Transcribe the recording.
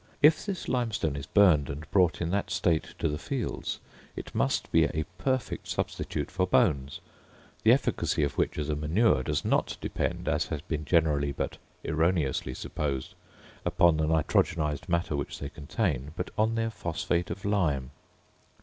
If this limestone is burned and brought in that state to the fields, it must be a perfect substitute for bones, the efficacy of which as a manure does not depend, as has been generally, but erroneously supposed, upon the nitrogenised matter which they contain, but on their phosphate of lime.